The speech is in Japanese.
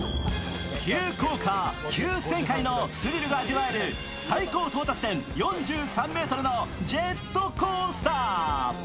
急降下・急旋回のスリルが味わえる最高到達点４３ｍのジェットコースター。